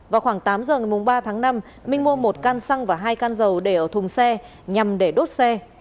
vào khoảng tám giờ ngày ba tháng năm minh mua một can xăng và hai can dầu để ở thùng xe nhằm để đốt xe